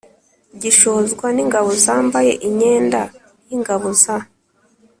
gishozwa n'ingabo zambaye inyenda y'ingabo za